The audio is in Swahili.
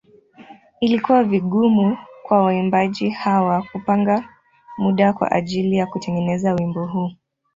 Ilikuwa vigumu kwa waimbaji hawa kupanga muda kwa ajili ya kutengeneza wimbo huu.